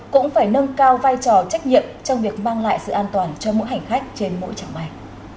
cũng phải nâng cao vai trò trách nhiệm trong việc mang lại sự an toàn cho mỗi hành khách trên mỗi trạng bay